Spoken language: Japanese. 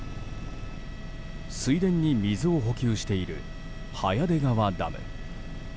水田に水を補給している早出川ダム。